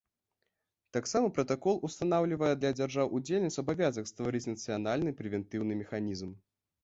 Таксама пратакол устанаўлівае для дзяржаў-удзельніц абавязак стварыць нацыянальны прэвентыўны механізм.